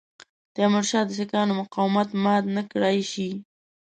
تیمورشاه د سیکهانو مقاومت مات نه کړای شي.